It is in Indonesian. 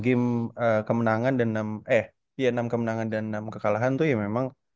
game kemenangan dan enam eh ya enam kemenangan dan enam kekalahan tuh ya memang